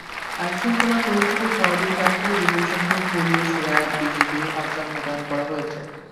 আইনশৃঙ্খলা পরিস্থিতি স্বাভাবিক রাখতে বিপুলসংখ্যক পুলিশ, র্যাব, বিজিবি, আনসার মোতায়েন করা হয়েছে।